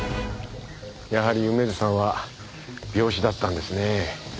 やはり梅津さんは病死だったんですね。